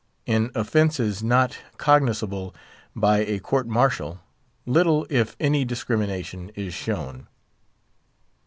In offences not cognisable by a court martial, little, if any, discrimination is shown.